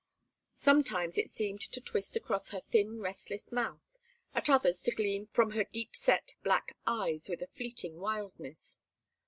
Sometimes it seemed to twist across her thin restless mouth, at others to gleam from her deep set black eyes with a fleeting wildness.